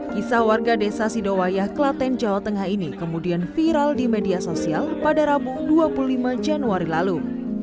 kisah warga desa sidowayah klaten jawa tengah ini kemudian viral di media sosial pada rabu dua puluh lima januari lalu